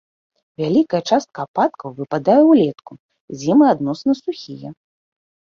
Вялікая частка ападкаў выпадае ўлетку, зімы адносна сухія.